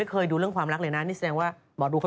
โอลี่คัมรี่ยากที่ใครจะตามทันโอลี่คัมรี่ยากที่ใครจะตามทัน